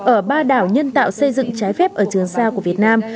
ở ba đảo nhân tạo xây dựng trái phép ở trường sa của việt nam